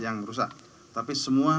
yang rusak tapi semua